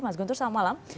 mas guntur selamat malam